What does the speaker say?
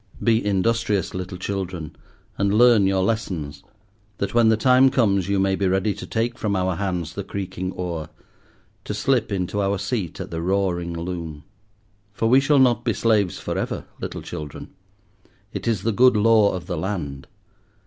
Be industrious, little children, and learn your lessons, that when the time comes you may be ready to take from our hands the creaking oar, to slip into our seat at the roaring loom. For we shall not be slaves for ever, little children. It is the good law of the land.